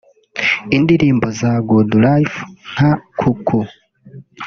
Indirimbo za Good Life nka Kuku